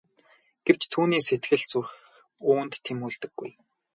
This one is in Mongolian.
Гэвч түүний сэтгэл зүрх үүнд тэмүүлдэггүй.